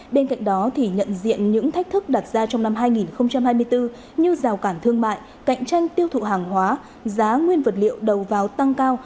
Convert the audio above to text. bên cạnh đó thì nhận diện những thách thức đặt ra trong năm hai nghìn hai mươi bốn như rào cản thương mại cạnh tranh tiêu thụ hàng hóa giá nguyên vật liệu đầu vào tăng cao